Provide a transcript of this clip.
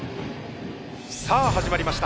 さあ始まりました。